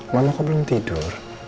mama kok belum tidur